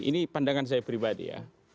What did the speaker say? ini pandangan saya pribadi ya